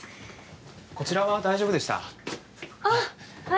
こちらは大丈夫でしたあっはい